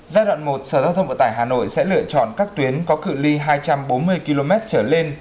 giai đoạn một sở giao thông vận tải hà nội sẽ lựa chọn các tuyến có cự li hai trăm bốn mươi km trở lên